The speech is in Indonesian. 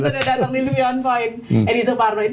ini bulan puasa kan